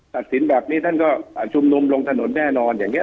สินแบบนี้ท่านก็ชุมนุมลงถนนแน่นอนอย่างนี้